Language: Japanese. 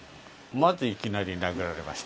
まずいきなり殴られました。